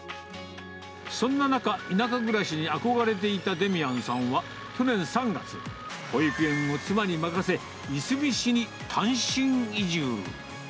そんな中、田舎暮らしに憧れていたデミアンさんは去年３月、保育園を妻に任せ、いすみ市に単身移住。